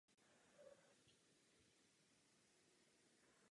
Galerie hlavního města Prahy zde každoročně od dubna do října pořádá sezónní výstavy.